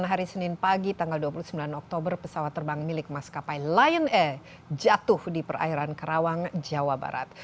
hari senin pagi tanggal dua puluh sembilan oktober pesawat terbang milik maskapai lion air jatuh di perairan karawang jawa barat